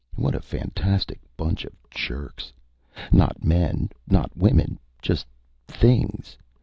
What a fantastic bunch of jerks! Not men, not women, just things.